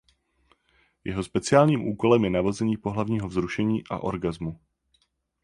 Jeho speciálním úkolem je navození pohlavního vzrušení a orgasmu.